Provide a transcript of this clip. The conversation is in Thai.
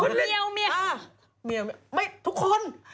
โอ้โฮเมียลเมียลอ้าวเมียลไม่ทุกคน